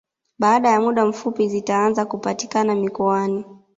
Baada ya muda mfupi zitaanza kupatikana mikoani